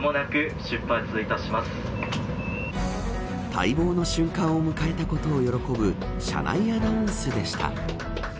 待望の瞬間を迎えたことを喜ぶ車内アナウンスでした。